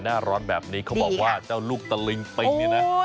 หน้าร้อนแบบนี้เขาบอกว่าเจ้าลูกตะลิงปิงเนี่ยนะ